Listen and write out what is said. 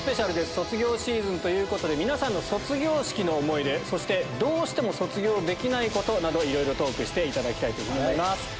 卒業シーズンということで皆さんの卒業式の思い出そしてどうしても卒業できないことなどいろいろトークしていただきたいと思います。